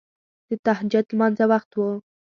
د تهجد لمانځه وخت وو.